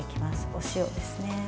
お塩です。